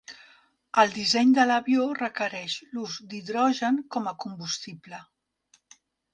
El disseny de l'avió requereix l'ús d'hidrogen com a combustible.